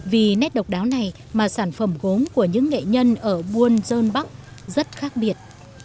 vì nét độc đáo này mà sản phẩm gốm của những nghệ nhân ở buôn dơn bắc rất khác biệt